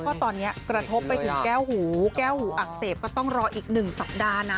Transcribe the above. เพราะตอนนี้กระทบไปถึงแก้วหูแก้วหูอักเสบก็ต้องรออีก๑สัปดาห์นะ